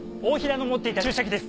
大平の持っていた注射器です。